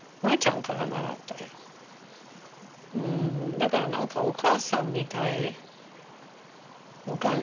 だから何かお母さんみたいな感じ。